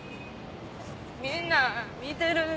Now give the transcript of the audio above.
みんな見てる？